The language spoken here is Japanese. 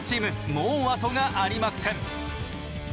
もう後がありません。